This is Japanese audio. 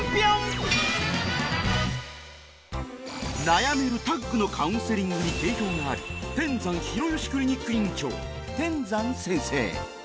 悩めるタッグのカウンセリングに定評がある天山広吉クリニック院長天山先生